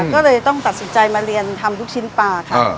ก็เลยต้องตัดสินใจมาเรียนทำลูกชิ้นปลาค่ะ